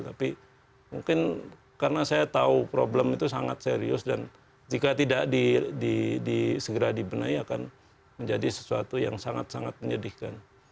tapi mungkin karena saya tahu problem itu sangat serius dan jika tidak segera dibenahi akan menjadi sesuatu yang sangat sangat menyedihkan